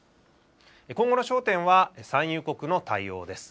今後の焦点は、産油国の対応です。